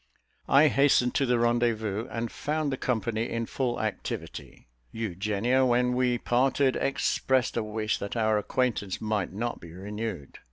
I hastened to the rendezvous, and found the company in full activity. Eugenia, when we parted, expressed a wish that our acquaintance might not be renewed.